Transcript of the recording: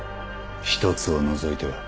１つを除いては。